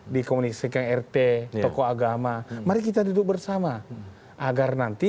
di komunikasi dengan rt tokoh agama mari kita duduk bersama agar nanti